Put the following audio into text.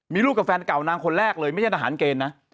มีลูกกับแฟนเก่านางคนแรกเลยไม่ใช่ทหารเกณฑ์นะ